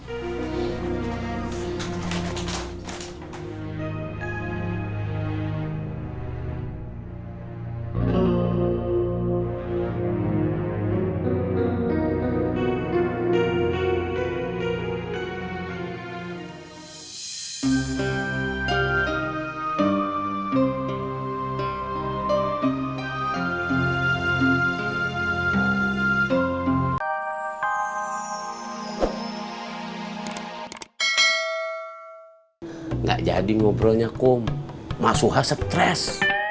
enggak jadi ngobrolnya kum masuk hasil stress